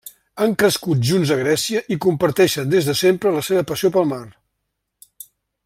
Han crescut junts a Grècia i comparteixen des de sempre la seva passió pel mar.